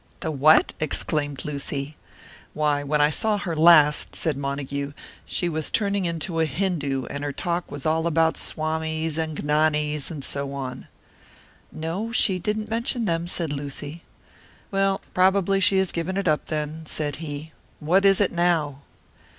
"The what?" exclaimed Lucy. "Why, when I saw her last," said Montague, "she was turning into a Hindoo, and her talk was all about Swamis, and Gnanis, and so on." "No, she didn't mention them," said Lucy. "Well, probably she has given it up, then," said he. "What is it now?"